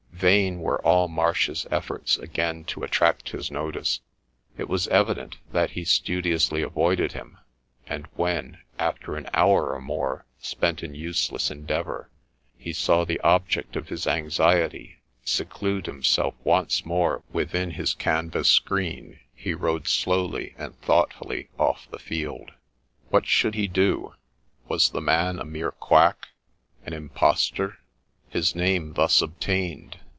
Vain were all Marsh's efforts again to attract his notice ; it was evident that he studiously avoided him ; and when, after an hour or more spent in useless endeavour, he saw the object of his anxiety seclude himself once more within his canvas screen, he rode slowly and thoughtfully off the field. What should he do ? Was the man a mere quack ? an im postor ? His name thus obtained